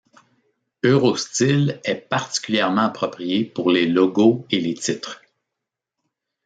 Eurostile est particulièrement appropriée pour les logos et les titres.